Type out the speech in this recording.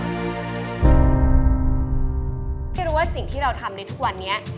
ไม่รู้ว่าสิ่งที่เราทำในทุกวันนี้